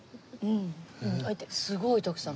すごい徳さん